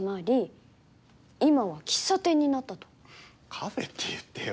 カフェって言ってよ。